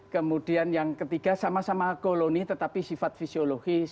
kemudian yang ketiga sama sama koloni tetapi sifat fisiologis